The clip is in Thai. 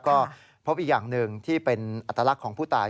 ก็พบอีกอย่างหนึ่งที่เป็นอัตลักษณ์ของผู้ตาย